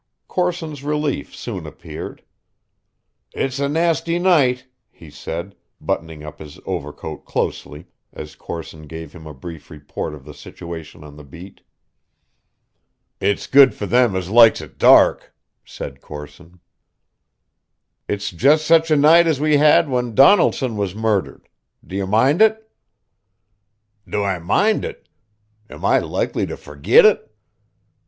Corson's relief soon appeared. "It's a nasty night," he said, buttoning up his overcoat closely, as Corson gave him a brief report of the situation on the beat. "It's good for them as likes it dark," said Corson. "It's just such a night as we had when Donaldson was murdered. Do you mind it?" "Do I mind it? Am I likely to forgit it?